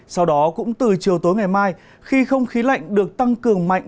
sau đó cũng từ chiều tối ngày mai khi không khí lạnh được tăng cường mạnh